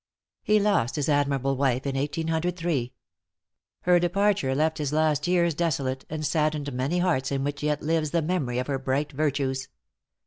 He lost his admirable wife in 1803. Her departure left his last years desolate, and saddened many hearts in which yet lives the memory of her bright virtues.